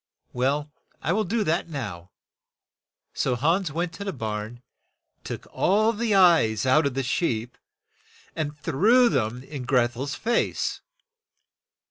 Well, I will do that now." So Hans went to the barn, took all the eyes out of the sheep, and threw them in Greth el's face.